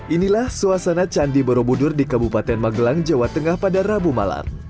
inilah suasana candi borobudur di kabupaten magelang jawa tengah pada rabu malam